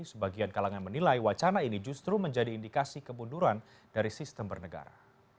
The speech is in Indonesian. sebagian kalangan menilai wacana ini justru menjadi indikasi kemunduran dari sistem bernegara